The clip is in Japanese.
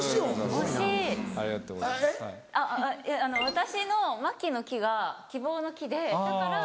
私の麻希の「希」が希望の「希」でだから。